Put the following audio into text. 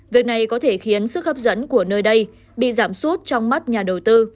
việc này có thể khiến sức hấp dẫn của nơi đây bị giảm sút trong mắt nhà đầu tư